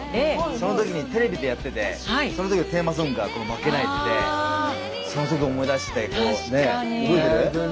その時にテレビでやっててその時のテーマソングがこの「負けないで」でその時を思い出してこうね。覚えてる？